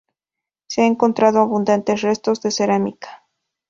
Se han encontrado abundantes restos de cerámica.